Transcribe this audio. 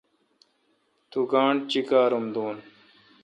تو گاݨڈہ چیکارم دوں۔